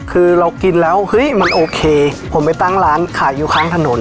คือเรากินแล้วเฮ้ยมันโอเคผมไปตั้งร้านขายอยู่ข้างถนน